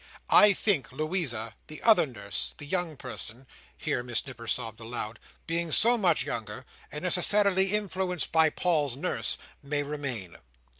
I think, Louisa, the other nurse, the young person," here Miss Nipper sobbed aloud, "being so much younger, and necessarily influenced by Paul's nurse, may remain.